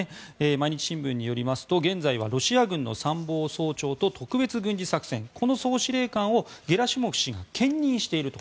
毎日新聞によりますと現在はロシア軍の参謀総長と特別軍事作戦この総司令官をゲラシモフ氏が兼任していると。